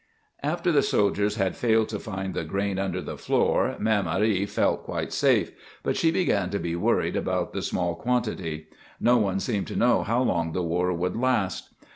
After the soldiers had failed to find the grain under the floor, Mère Marie felt quite safe, but she began to be worried about the small quantity. No one seemed to know how long the war would last.